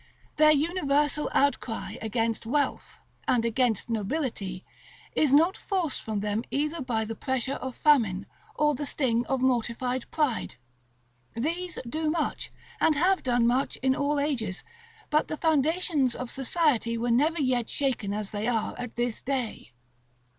Their universal outcry against wealth, and against nobility, is not forced from them either by the pressure of famine, or the sting of mortified pride. These do much, and have done much in all ages; but the foundations of society were never yet shaken as they are at this day.